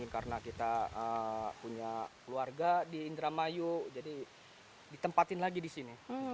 karena kita punya keluarga di indramayu jadi ditempatin lagi di sini